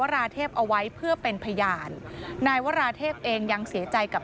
ราเทพเอาไว้เพื่อเป็นพยานนายวราเทพเองยังเสียใจกับ